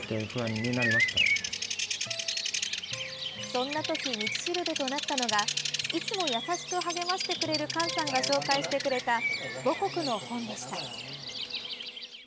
そんな時道しるべとなったのがいつも優しく励ましてくれるカンさんが紹介してくれた母国の本でした。